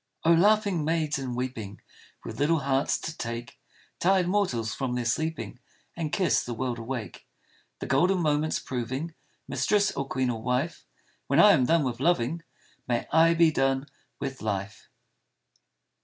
Oh, laughing maids and weeping, With little hearts to take Tired mortals from their sleeping And kiss the world awake, The golden moments proving Mistress or queen or wife, When I am done with loving, May I be done with life